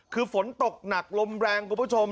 คือฝนตกหนักลมแรงคุณผู้ชม